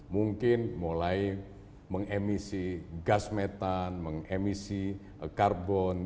mungkin mulai mengemisi gas metan mengemisi karbon